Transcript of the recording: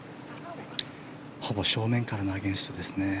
ほぼ正面からのアゲンストですね。